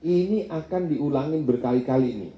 ini akan diulangin berkali kali ini